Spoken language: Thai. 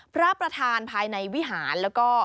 พระประธานภายในวิหารแล้วก็